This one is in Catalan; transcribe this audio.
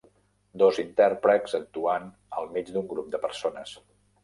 Dos intèrprets actuant al mig d'un grup de persones.